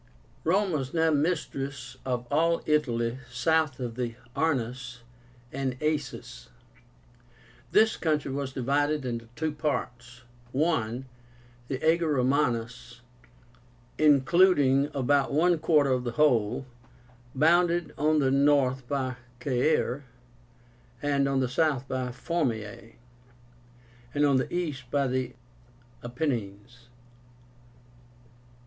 Rome was now mistress of all Italy south of the Arnus and Aesis. This country was divided into two parts. I. The AGER ROMÁNUS, including about one quarter of the whole, bounded on the north by CAERE, on the south by FORMIAE, and on the east by the APENNINES.